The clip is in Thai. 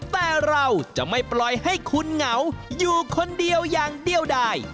แต่เราจะไม่ปล่อยให้คุณเหงาอยู่คนเดียวอย่างเดียวได้